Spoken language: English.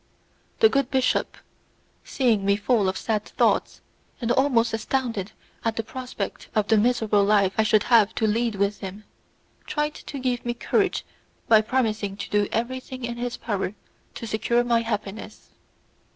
The good bishop, seeing me full of sad thoughts, and almost astounded at the prospect of the miserable life I should have to lead with him, tried to give me courage by promising to do everything in his power to secure my happiness.